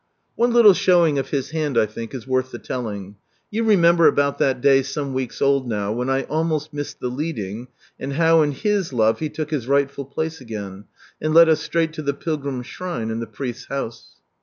One little showing or His hand, I think, is worth the telling. Yott re r about thai day some weeks old now, when I almost missed the leading, and how in His love He took His rightful place again, and led us straight to the pilgrim shrine and the priest's house.